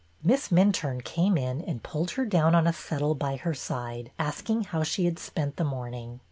Miss Minturne came in and pulled her down on a settle by her side, asking how she had spent the morning.